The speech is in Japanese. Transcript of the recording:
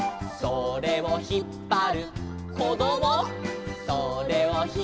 「それをひっぱるまご」